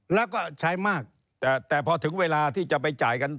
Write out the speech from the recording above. แล้วก็ใช้มากแต่พอถึงเวลาที่จะไปจ่ายกัน